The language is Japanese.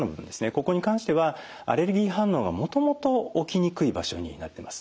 ここに関してはアレルギー反応がもともと起きにくい場所になってます。